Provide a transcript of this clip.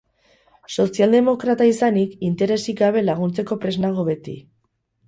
Sozialdemokrata izanik, interesik gabe laguntzeko prest nago beti.